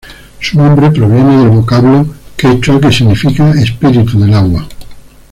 Su nombre proviene del vocablo quechua que significa ""espíritu del agua"".